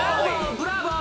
ブラボー！